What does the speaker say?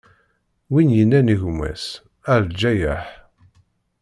Win yennan i gma-s: A lǧayeḥ!